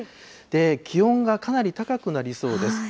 気温がかなり高くなりそうです。